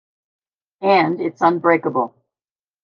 And it's unbreakable.